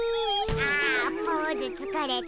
あポーズつかれた。